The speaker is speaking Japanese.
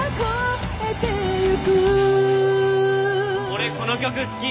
俺この曲好き！